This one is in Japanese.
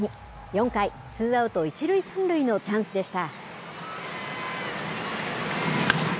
４回、ツーアウト１塁３塁のチャンスでした。